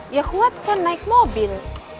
ya kuat kan naik mobil